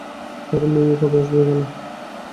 আরে মিমি কবে আসবে এখানে?